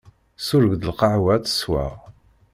Sureg-d lqahwa ad tt-sweɣ.